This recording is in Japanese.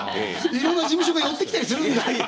いろんな事務所が寄ってきたりするんだ。